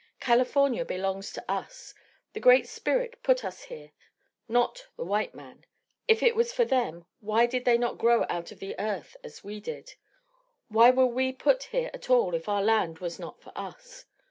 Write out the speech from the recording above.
California belongs to us. The Great Spirit put us here, not the white man. If it was for them why did they not grow out of the earth as we did? Why were we put here at all if our land was not for us?